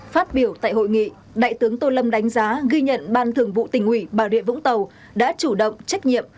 phát biểu tại hội nghị đại tướng tô lâm đánh giá ghi nhận ban thường vụ tỉnh ủy bà rịa vũng tàu đã chủ động trách nhiệm